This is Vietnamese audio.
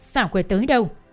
xảo quyệt tới đâu